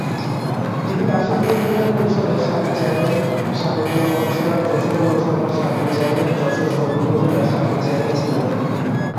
তিনি কাশিমপুর ইউনিয়ন পরিষদের সাবেক চেয়ারম্যান, সাবেক পৌর কমিশনার, যশোর পৌরসভার সাবেক চেয়ারম্যান, যশোর সদর উপজেলার সাবেক চেয়ারম্যান ছিলেন।